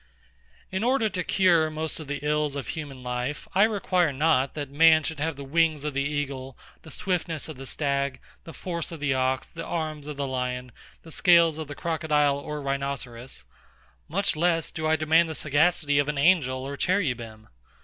In order to cure most of the ills of human life, I require not that man should have the wings of the eagle, the swiftness of the stag, the force of the ox, the arms of the lion, the scales of the crocodile or rhinoceros; much less do I demand the sagacity of an angel or cherubim.